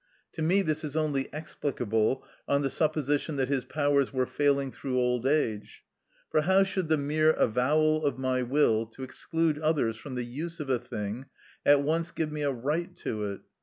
To me this is only explicable on the supposition that his powers were failing through old age. For how should the mere avowal of my will to exclude others from the use of a thing at once give me a right to it?